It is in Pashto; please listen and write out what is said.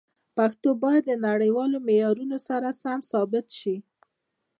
پښتو باید د نړیوالو معیارونو سره سم ثبت شي.